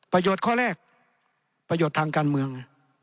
ประโยชน์ข้อแรกประโยชน์ทางการเมือง